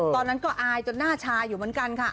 ตอนนั้นก็อายจนหน้าชาอยู่เหมือนกันค่ะ